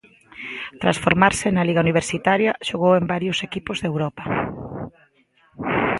Tras formarse na Liga universitaria, xogou en varios equipos de Europa.